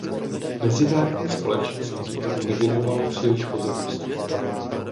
Mezinárodní společenství tomu nevěnovalo příliš pozornosti.